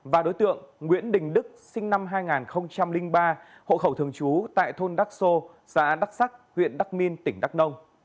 và đối tượng nguyễn đình đức sinh năm hai nghìn ba hộ khẩu thường trú tại thôn đắc sô xã đắc sắc huyện đắc minh tỉnh đắk nông